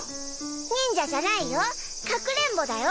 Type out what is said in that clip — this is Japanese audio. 忍者じゃないよかくれんぼだよ・